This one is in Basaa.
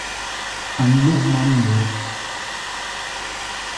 A nlup man môô.